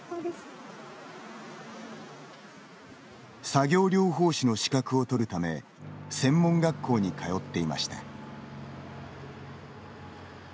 作業療法士の資格を取るため専門学校に通っていました。